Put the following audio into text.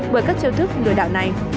bởi các chiêu thức lừa đảo này